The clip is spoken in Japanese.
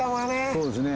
そうですね。